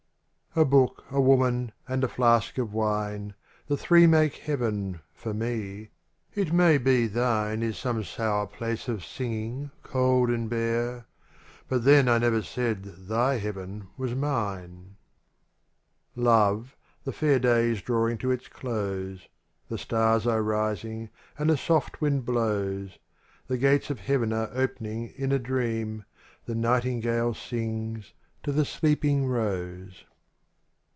BOOK, a Woman, and a Flask of Wine, The three make heaven — for me; it may be thine Is some sour place of singing cold and bare — But then I never said thy heaven was mine. jOVE, the fair day is drawing to its close. The stars are rising and a soft wind blows. The gates of heaven are opening in a dream. The nightingale sings to the sleeping rose.